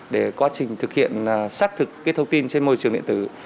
để quá trình thực hiện xác thực thông tin trên môi trường điện tử